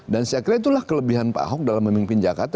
dan saya kira itulah kelebihan pak ahok dalam memimpin jakarta